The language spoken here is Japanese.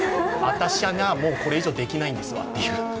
私はこれ以上できないんですわっていう。